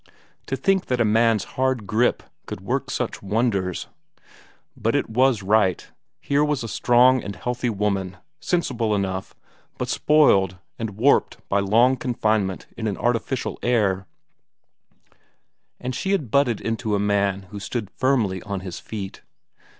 To think that a man's hard grip could work such wonders! But it was right; here was a strong and healthy woman, sensible enough, but spoiled and warped by long confinement in an artificial air and she had butted into a man who stood firmly on his feet.